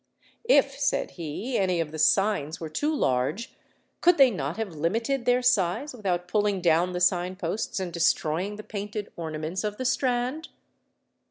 'If,' said he, 'any of the signs were too large, could they not have limited their size without pulling down the sign posts and destroying the painted ornaments of the Strand?